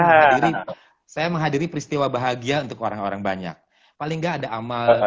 menghadiri saya menghadiri peristiwa bahagia untuk orang orang banyak paling nggak ada amal